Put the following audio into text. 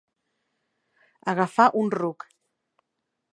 Agafar un ruc.